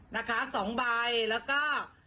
นะคะ๒ใบแล้วก็